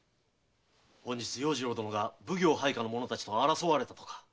本日要次郎殿が奉行配下の者たちと争われたとか？